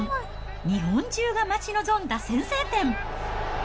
日本中が待ち望んだ先制点。